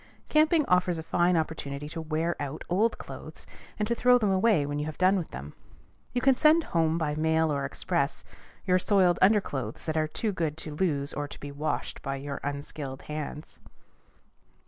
Camping offers a fine opportunity to wear out old clothes, and to throw them away when you have done with them. You can send home by mail or express your soiled underclothes that are too good to lose or to be washed by your unskilled hands.